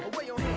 jangan awas ya